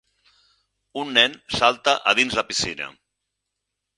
un nen salta a dins la piscina.